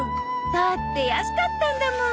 だって安かったんだもん。